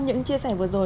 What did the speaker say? trong bài giám khảo